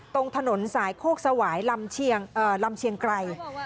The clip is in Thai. ตรงถนนสายโคกสวายลำเชียงไกร